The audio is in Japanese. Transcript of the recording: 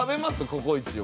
ココイチは。